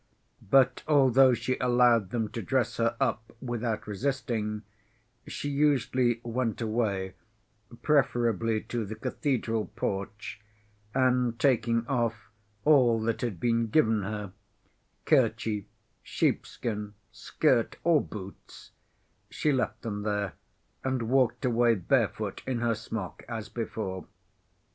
But, although she allowed them to dress her up without resisting, she usually went away, preferably to the cathedral porch, and taking off all that had been given her—kerchief, sheepskin, skirt or boots—she left them there and walked away barefoot in her smock as before.